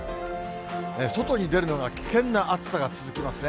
外に出るのが危険な暑さが続きますね。